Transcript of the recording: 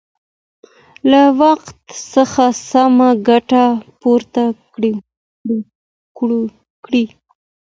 له وخت څخه سمه ګټه پورته کړئ.